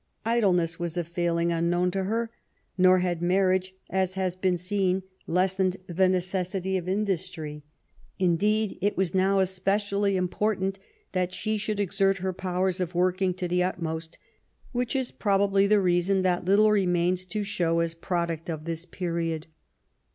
Idleness was a failing unknown to her ; nor had marriage, as has been seen^ lessened the necessity of industry. Indeed^ it was now especially important that she should exert her powers of working to the utmost, which is probably the reason that little remains to show as product of this period.